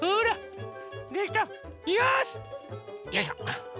よいしょ！